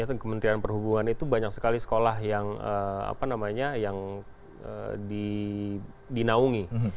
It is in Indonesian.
kementerian perhubungan itu banyak sekali sekolah yang dinaungi